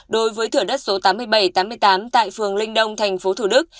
đối với thửa đất số tám nghìn bảy trăm tám mươi tám tại phường linh đông thành phố thủ đức